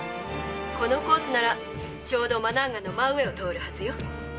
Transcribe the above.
このコースならちょうどマナンガの真上を通るはずよ」。